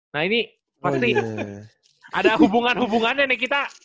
nah ini pasti ada hubungan hubungannya nih kita